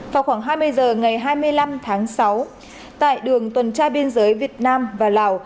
vào khoảng hai mươi h ngày hai mươi năm tháng sáu tại đường tuần tra biên giới việt nam và lào